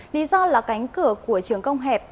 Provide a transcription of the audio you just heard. lý do là cánh cửa của trường công hẹp